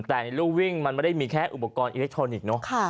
แต่ในรูวิ่งมันไม่ได้มีแค่อุปกรณ์อิเล็กทรอนิกส์เนอะ